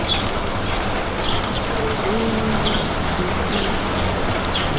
Hwèɔ́ŋɡɔ́ hwétí.